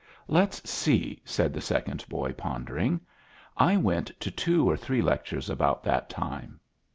"Let's see," said the second boy, pondering; "I went to two or three lectures about that time.